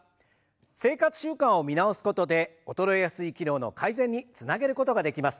生活習慣を見直すことで衰えやすい機能の改善につなげることができます。